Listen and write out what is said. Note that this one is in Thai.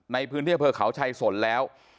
ในพื้นที่อำเภอเขาชัยสนแล้ว